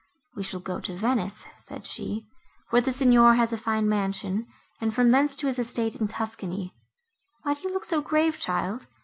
"We shall go to Venice," said she, "where the Signor has a fine mansion, and from thence to his estate in Tuscany. Why do you look so grave, child?